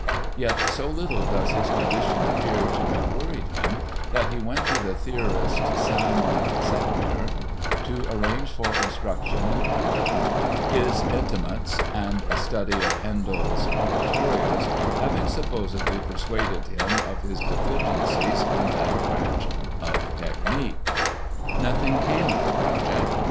Yet so little does his condition appear to have worried him that he went to the theorist Simon Sechter to arrange for instruction in counterpoint—his intimates and a study of Handel's oratorios having supposedly persuaded him of his deficiencies in that branch of technic. Nothing came of the project.